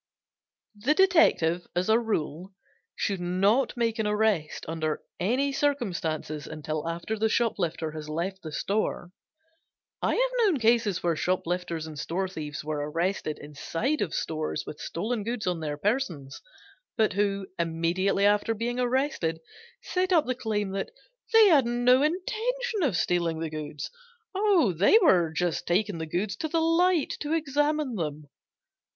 The detective, as a rule, should not make an arrest under any circumstances until after the shoplifter has left the store. I have known cases where shoplifters and store thieves were arrested inside of stores with stolen goods on their persons, but who, immediately after being arrested, set up the claim that they had no intention of stealing the goods, but that they were just taking the goods to the light to examine them.